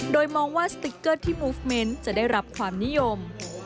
โดยมองว่าสติ๊กเกอร์ที่มูฟเมนต์จะได้รับความนิยม